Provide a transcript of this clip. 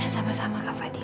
sama sama kak fadil